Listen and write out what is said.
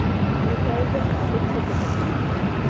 আমি চায়ের জন্যে অপেক্ষা করছি।